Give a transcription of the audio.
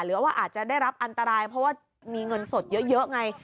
หรือว่าอาจจะได้รับอันตรายเพราะว่ามีเงินสดเยอะไง